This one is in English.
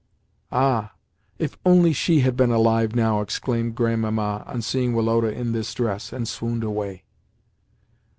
"Ah! If only she had been alive now!" exclaimed Grandmamma on seeing Woloda in this dress, and swooned away.